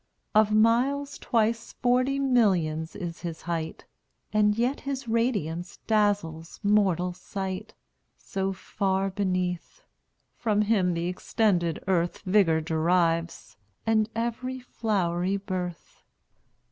Of miles twice forty millions is his height, And yet his radiance dazzles mortal sight, So far beneath, from him th' extended earth Vigor derives, and every flowery birth.